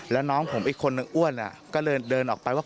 แล้วน้องผมอีกคนนึงอ้วนก็เลยเดินออกไปว่า